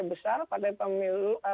besar partai pemilu